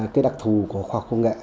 cái đặc thù của khoa học và công nghệ